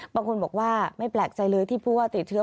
บางคนบอกว่าไม่แปลกใจเลยที่ผู้ว่าติดเชื้อ